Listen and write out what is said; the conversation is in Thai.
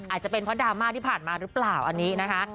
อาจจะเป็นเพราะดราม่าที่ผ่านมาหรือเปล่าอันนี้นะคะ